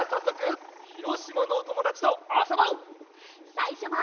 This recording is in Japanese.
さいしょは。